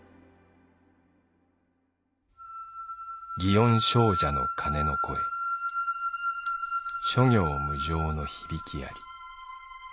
「祇園精舎の鐘の声諸行無常の響きあり。